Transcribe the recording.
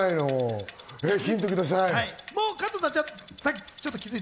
ヒントください。